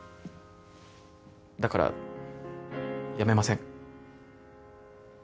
だから辞めません。